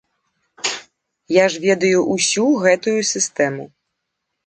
Я ж ведаю ўсё гэтую сістэму.